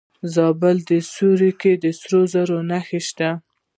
د زابل په سیوري کې د سرو زرو نښې شته.